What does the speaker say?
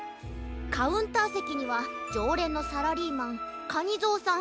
カウンターせきにはじょうれんのサラリーマンカニゾウさん